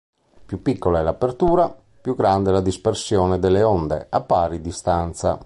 Più piccola è l'apertura, più grande è la dispersione delle onde, a pari distanza.